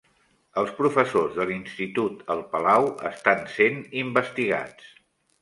Els professors de l'institut el Palau estan sent investigats